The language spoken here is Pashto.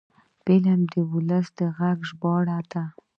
فلم د ولس د غږ ژباړه ده